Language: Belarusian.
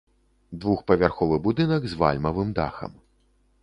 Двухпавярховы будынак з вальмавым дахам.